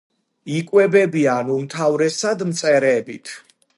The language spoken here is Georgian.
იკვებებიან უმთავრესად მწერებით.